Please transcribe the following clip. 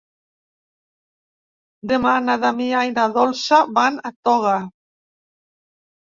Demà na Damià i na Dolça van a Toga.